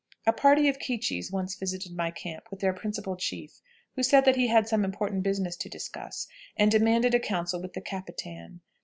A party of Keechis once visited my camp with their principal chief, who said he had some important business to discuss, and demanded a council with the capitan.